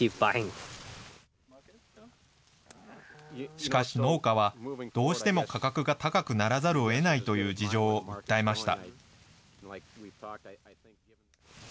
しかし、農家はどうしても価格が高くならざるをえないという事情を訴えました。